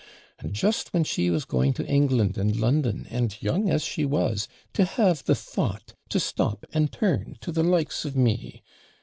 And just when she was going to England and London, and, young as she was, to have the thought to stop and turn to the likes of me!